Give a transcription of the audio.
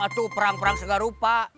aduh perang perang segarupa